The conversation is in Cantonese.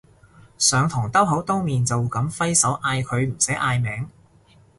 上堂兜口兜面就噉揮手嗌佢唔使嗌名